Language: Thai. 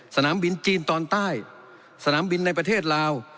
สนามบินจีนตอนใต้สนามบินในประเทศลาว